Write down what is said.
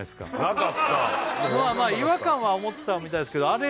なかった違和感は持ってたみたいですけどあれ